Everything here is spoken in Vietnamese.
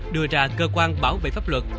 đưa ra cơ quan bảo vệ pháp luật